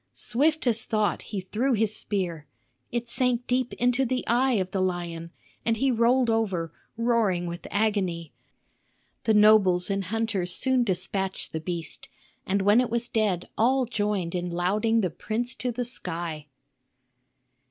Swift as thought he threw his spear; it sank deep into the eye of the lion, and he rolled over, roaring with agony. The nobles and hunters soon despatched the beast; and when it was dead all joined in lauding the prince to the sky.